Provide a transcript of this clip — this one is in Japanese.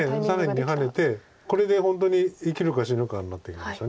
左辺にハネてこれで本当に生きるか死ぬかになってきました